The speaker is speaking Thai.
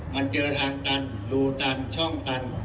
มันเจอทางตันดูตามช่องกัน